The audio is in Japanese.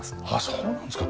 そうなんですか。